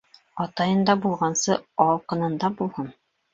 Атайында булғансы, алҡынында булһын.